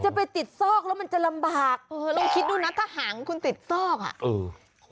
ไปติดซอกแล้วมันจะลำบากเออลองคิดดูนะถ้าหางคุณติดซอกอ่ะเออ